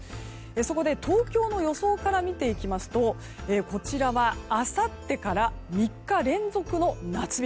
そこで東京の予想から見ていきますとこちらはあさってから３日連続の夏日。